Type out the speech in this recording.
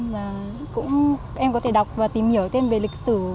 và em có thể đọc và tìm hiểu thêm về lịch sử